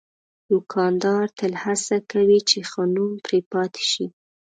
دوکاندار تل هڅه کوي چې ښه نوم پرې پاتې شي.